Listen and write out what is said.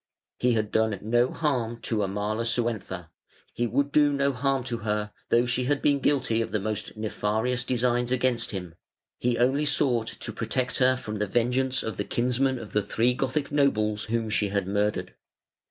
"He had done no harm to Amalasuentha; he would do no harm to her, though she had been guilty of the most nefarious designs against him: he only sought to protect her from the vengeance of the kinsmen of the three Gothic nobles whom she had murdered".